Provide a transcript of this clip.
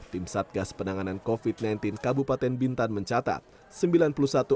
tim satgas penanganan covid sembilan belas kabupaten bintan mencatat